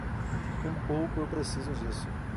Um pouco eu preciso disso.